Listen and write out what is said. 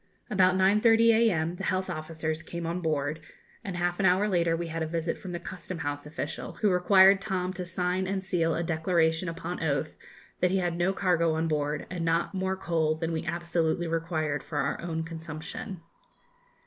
About 9.30 a.m. the health officers came on board, and half an hour later we had a visit from the custom house official, who required Tom to sign and seal a declaration upon oath that he had no cargo on board, and not more coal than we absolutely required for our own consumption.